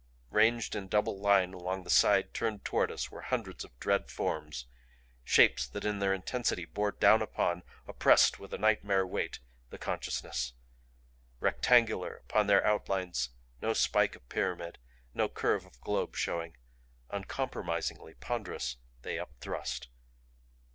Ranged in double line along the side turned toward us were hundreds of dread forms Shapes that in their intensity bore down upon, oppressed with a nightmare weight, the consciousness. Rectangular, upon their outlines no spike of pyramid, no curve of globe showing, uncompromisingly ponderous, they upthrust.